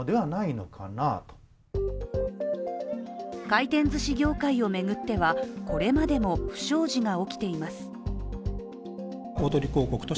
回転ずし業界を巡ってはこれまでも不祥事が起きています。